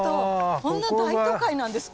こんな大都会なんですか？